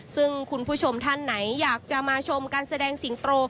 ซึ่งคุณผู้ชมท่านไหนอยากจะมาชมการแสดงสิงโต